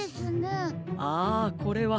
ああこれは。